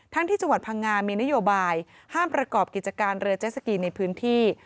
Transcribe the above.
ที่จังหวัดพังงามีนโยบายห้ามประกอบกิจการเรือเจสสกีในพื้นที่